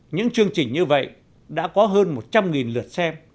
những chương trình như vậy đã có hơn một trăm linh lượt xem